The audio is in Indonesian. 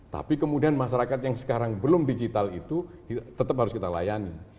tapi kemudian masyarakat yang sekarang belum digital itu tetap harus kita layani